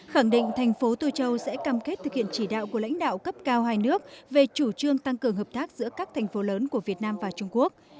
khẳng định thành phố tô châu sẽ cam kết thực hiện chỉ đạo của lãnh đạo cấp cao hai nước về chủ trương tăng cường hợp tác giữa các thành phố lớn của việt nam và trung quốc